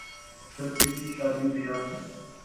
بس کس شادی بیاہ